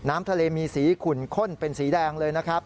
น้ำทะเลมีสีขุ่นข้นเป็นสีแดงเลยนะครับ